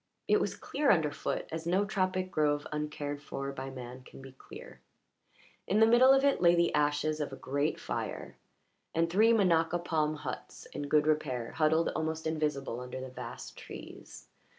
It was clear under foot, as no tropic grove uncared for by man can be clear; in the middle of it lay the ashes of a great fire, and three minaca palm huts in good repair huddled almost invisible under the vast trees.